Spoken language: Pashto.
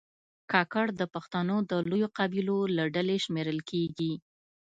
کاکړ د پښتنو د لویو قبیلو له ډلې شمېرل کېږي.